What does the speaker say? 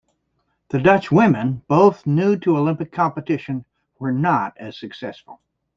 The Dutch women, both new to Olympic competition, were not as successful.